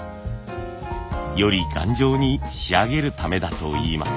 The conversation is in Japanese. より頑丈に仕上げるためだといいます。